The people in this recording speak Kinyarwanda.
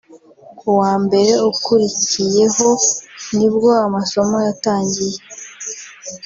ku wa mbere ukurikiyeho nibwo amasomo yatangiye